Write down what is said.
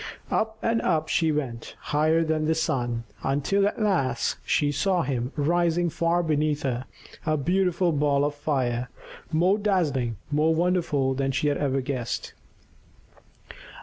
Up and up she went, higher than the sun, until at last she saw him rising far beneath her, a beautiful ball of fire, more dazzling, more wonderful than she had ever guessed.